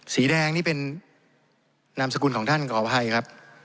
สีแดงนี่เป็นนามสกุลของท่านขออภัยครับ